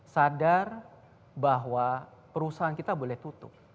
sadar bahwa perusahaan kita boleh tutup